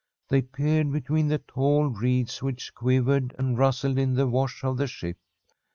They peered between the tall reeds which quivered and rustled in the wash of the ship.